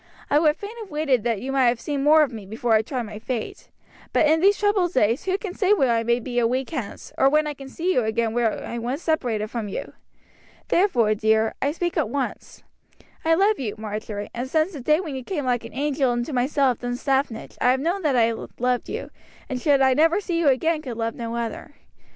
I would fain have waited that you might have seen more of me before I tried my fate; but in these troubled days who can say where I may be a week hence, or when I can see you again were I once separated from you! Therefore, dear, I speak at once. I love you, Marjory, and since the day when you came like an angel into my cell at Dunstaffnage I have known that I loved you, and should I never see you again could love none other.